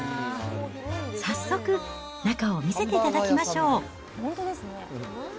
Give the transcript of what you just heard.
早速、中を見せていただきましょう。